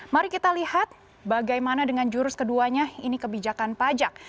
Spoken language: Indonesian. mari kita lihat bagaimana dengan jurus keduanya ini kebijakan pajak